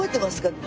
って。